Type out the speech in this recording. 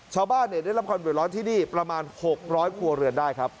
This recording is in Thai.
ชาวบ้านเนี่ยได้รับความเดิมร้อนที่นี่ประมาณหกร้อยครัวเรือนได้ครับ